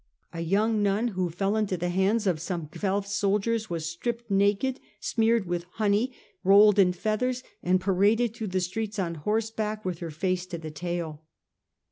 A young nun who fell into the hands of some Guelf soldiers was stripped naked, smeared with honey, rolled in feathers and paraded through the streets on horseback with her face to the tail.